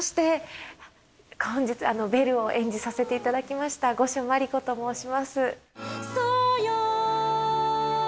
本日、ベルを演じさせていただきました五所真理子と申します。